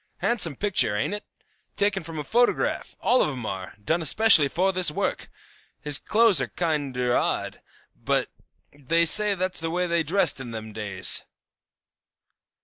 Handsome picture, ain't it? Taken from a photograph; all of 'em are; done especially for this work. His clothes are kinder odd, but they say that's the way they dressed in them days.